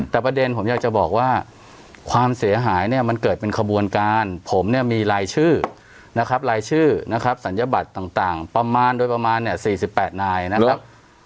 แต่ประเด็นผมอยากจะบอกว่าความเสียหายเนี่ยมันเกิดเป็นขบวนการผมเนี่ยมีรายชื่อนะครับรายชื่อนะครับศัลยบัตรต่างประมาณโดยประมาณเนี่ย๔๘นายนะครับ